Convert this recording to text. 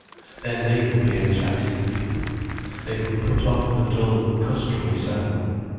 Then they would be enchanted people, they would put off the dull, customary self.